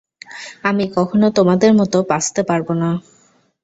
আমি কখনো তোমাদের মতো বাঁচতে পারবো না।